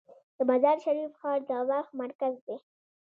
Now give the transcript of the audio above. د مزار شریف ښار د بلخ مرکز دی